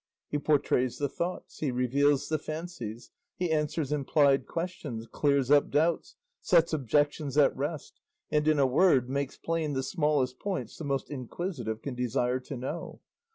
He portrays the thoughts, he reveals the fancies, he answers implied questions, clears up doubts, sets objections at rest, and, in a word, makes plain the smallest points the most inquisitive can desire to know.